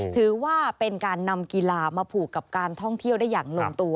ถือว่าเป็นการนำกีฬามาผูกกับการท่องเที่ยวได้อย่างลงตัว